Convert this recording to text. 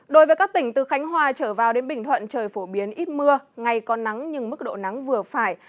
đối với các tỉnh từ khánh hòa trở vào đến bình thuận trời phổ biến ít mưa ngày có nắng nhưng mức độ nắng vừa phải